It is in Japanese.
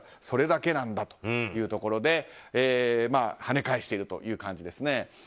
それだけなんだというところではね返しているという感じですね。